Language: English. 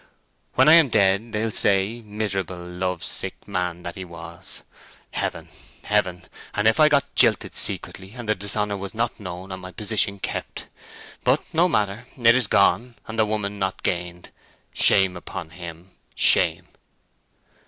When I am dead they'll say, miserable love sick man that he was. Heaven—heaven—if I had got jilted secretly, and the dishonour not known, and my position kept! But no matter, it is gone, and the woman not gained. Shame upon him—shame!"